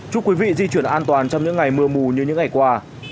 chúc quý vị di chuyển an toàn trong những ngày mưa mù như những ngày qua